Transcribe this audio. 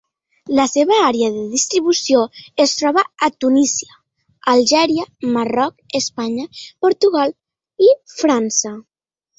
La seva àrea de distribució es troba a Tunísia, Algèria, Marroc, Espanya, Portugal i França.